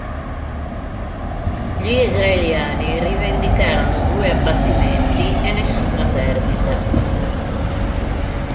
Gli israeliani rivendicarono due abbattimenti e nessuna perdita.